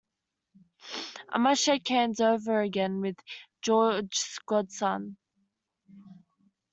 I must shake hands over again with George's godson.